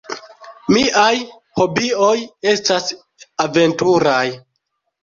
Miaj hobioj estas aventuraj.